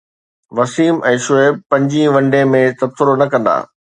وسيم ۽ شعيب پنجين one day ۾ تبصرو نه ڪندا